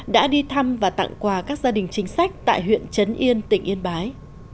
đã đi thăm và tặng quà các gia đình chính sách tại huyện trấn yên tỉnh yên bái